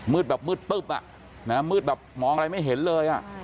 มึดแบบมึดปุ๊บอ่ะมองอย่างไรไม่เห็นเลย